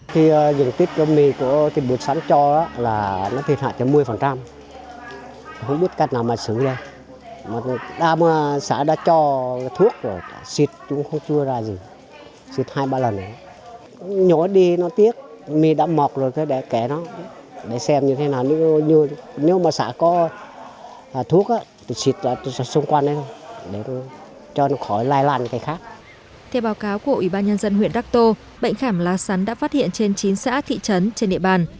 thế báo cáo của ủy ban nhân dân huyện đắc tô bệnh khảm lá sắn đã phát hiện trên chín xã thị trấn trên nệ bàn